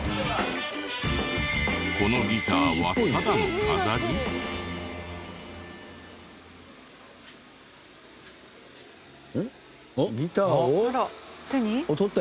このギターはただの飾り？えっ？